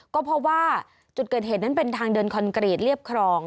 ก็เพราะว่าจุดเกิดเหตุนั้นเป็นทางเดินคอนกรีตเรียบครอง